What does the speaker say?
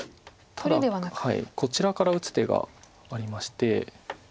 ただこちらから打つ手がありまして。